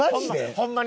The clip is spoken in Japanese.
ホンマに。